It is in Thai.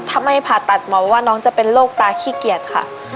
ถ้าไม่ผ่าตัดหมอว่าน้องจะเป็นโรคตาขี้เกียจค่ะ